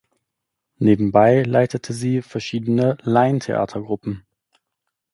Nebenbei leitete sie verschiedene Laien-Theatergruppen.